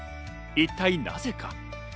一体なぜか。